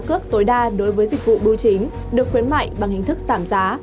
cước tối đa đối với dịch vụ bưu chính được khuyến mại bằng hình thức giảm giá